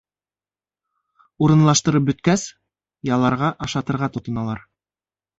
Урынлаштырып бөткәс, яларға-ашатырға тотоналар.